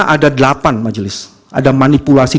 ada delapan majelis ada manipulasi